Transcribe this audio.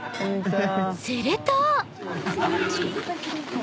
［すると］